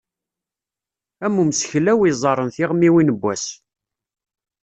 Am umseklaw iẓerren tiɣmiwin n wass